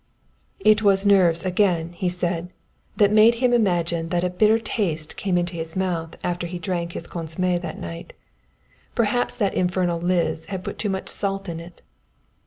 It was nerves, again, he said, that made him imagine that a bitter taste came into his mouth after he had drank his consommé that night; perhaps that infernal Liz had put too much salt in it.